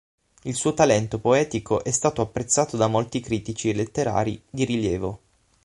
Il suo talento poetico è stato apprezzato da molti critici letterari di rilievo.